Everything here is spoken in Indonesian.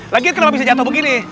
lagi kenapa bisa jatuh begini